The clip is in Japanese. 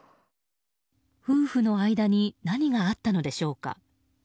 夫婦の間に何があったのでしょうか。